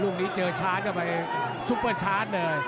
ลูกนี้เจอชาร์จเข้าไปซุปเปอร์ชาร์จเลย